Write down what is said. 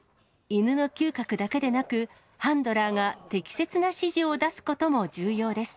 犬の嗅覚だけでなく、ハンドラーが適切な指示を出すことも重要です。